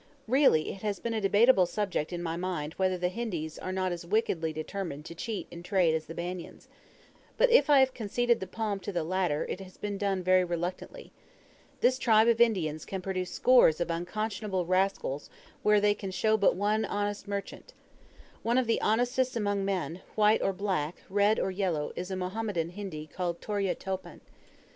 Really it has been a debateable subject in my mind whether the Hindis are not as wickedly determined to cheat in trade as the Banyans. But, if I have conceded the palm to the latter, it has been done very reluctantly. This tribe of Indians can produce scores of unconscionable rascals where they can show but one honest merchant. One of the honestest among men, white or black, red or yellow, is a Mohammedan Hindi called Tarya Topan.